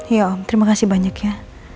iya terima kasih banyak ya